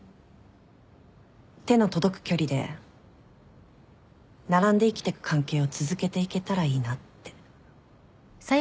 手の届く距離で並んで生きてく関係を続けていけたらいいなって。